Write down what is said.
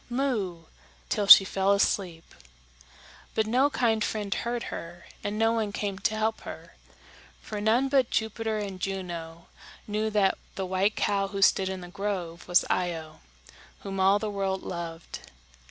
moo!" till she fell asleep. But no kind friend heard her, and no one came to help her; for none but Jupiter and Juno knew that the white cow who stood in the grove was Io, whom all the world loved.